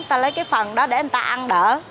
ta lấy cái phần đó để người ta ăn đỡ